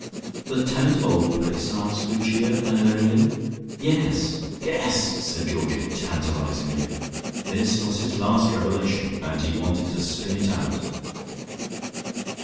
"The tenant of Old Place?" asked Lucia unerringly. "Yes. Guess!" said Georgie tantalizingly. This was his last revelation and he wanted to spin it out.